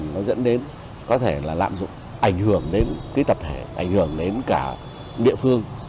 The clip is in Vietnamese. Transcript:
nó dẫn đến có thể là lạm dụng ảnh hưởng đến cái tập thể ảnh hưởng đến cả địa phương